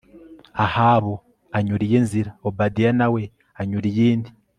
Ahabu anyura iye nzira Obadiya na we anyura iyindi